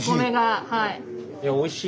はい。